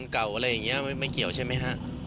คลอดนานแล้วใช่ไหมครับ